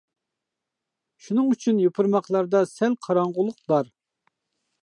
شۇنىڭ ئۈچۈن يوپۇرماقلاردا سەل قاراڭغۇلۇق بار.